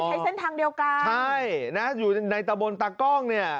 ใช้เส้นทางเดียวกันใช่นะอยู่ในตะบนตากล้องเนี่ย